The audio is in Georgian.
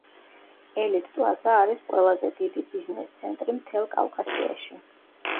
ელიტ პლაზა არის ყველაზე დიდი ბიზნეს ცენტრი მთელ კავკასიაში.